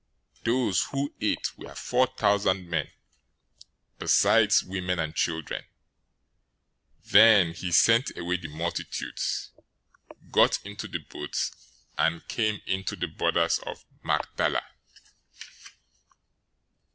015:038 Those who ate were four thousand men, besides women and children. 015:039 Then he sent away the multitudes, got into the boat, and came into the borders of Magdala.